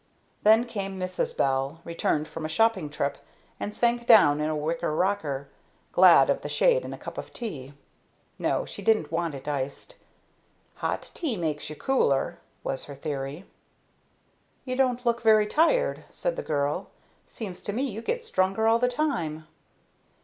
Then came Mrs. Bell, returned from a shopping trip, and sank down in a wicker rocker, glad of the shade and a cup of tea. No, she didn't want it iced. "Hot tea makes you cooler," was her theory. "You don't look very tired," said the girl. "Seems to me you get stronger all the time."